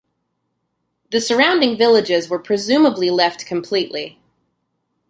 The surrounding villages were presumably left completely.